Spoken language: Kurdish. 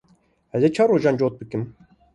Ez ê çar rojan cot bikim.